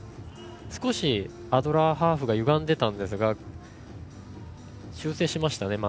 少しアドラーハーフがゆがんでいたんですがまっすぐに修正しましたね。